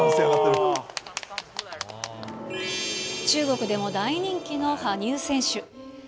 中国でも大人気の羽生選手。